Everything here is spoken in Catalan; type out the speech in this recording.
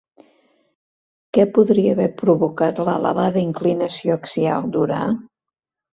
Què podria haver provocat l'elevada inclinació axial d'Urà?